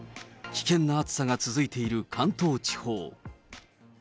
危険な暑さが続いている関東地方。